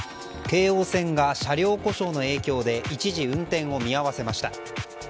京王線が車両故障の影響で一時運転を見合わせました。